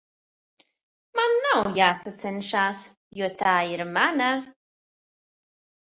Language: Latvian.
Man nav jāsacenšas, jo tā ir mana!